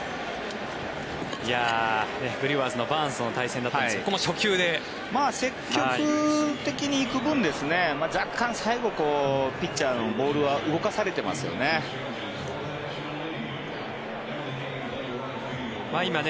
ブリュワーズのバーンズとの対戦だったんですが積極的に行く分若干、最後ピッチャーのボールが動かされてますよね。